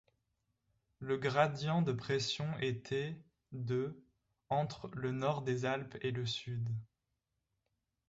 Le gradient de pression était de entre le nord des Alpes et le sud.